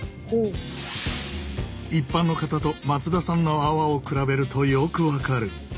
一般の方と松田さんの泡を比べるとよく分かる。